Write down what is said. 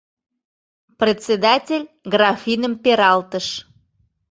Председатель графиным пералтыш.